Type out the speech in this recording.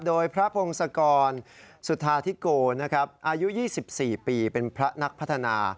โดยพระพงศกรสุธาธิโกนะครับอายุ๒๔ปีเป็นพระนักพัฒนา